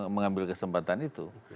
mengambil kesempatan itu